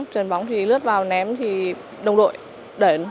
trận bóng thì lướt vào ném thì đồng đội đẩy